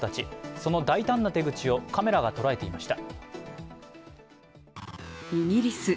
その大胆な手口をカメラが捉えていました。